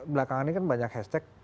belakangan ini kan banyak hashtag